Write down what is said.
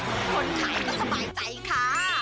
คนขายก็สบายใจค่ะ